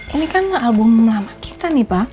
ini kan album lama kita